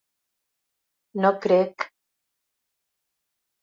No crec...